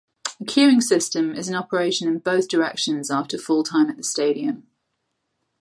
A queuing system is in operation in both directions after full-time at the stadium.